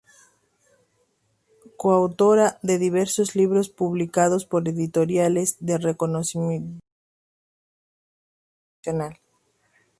Coautora de diversos libros publicados por editoriales de reconocido prestigio nacional e internacional.